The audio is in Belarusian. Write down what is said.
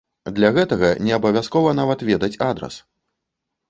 Для гэтага неабавязкова нават ведаць адрас.